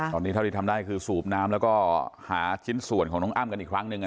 ตอนนี้เท่าที่ทำได้คือสูบน้ำแล้วก็หาชิ้นส่วนของน้องอ้ำกันอีกครั้งหนึ่ง